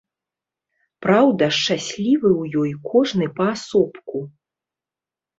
Праўда, шчаслівы ў ёй кожны паасобку.